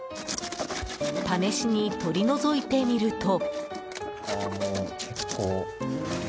試しに取り除いてみると。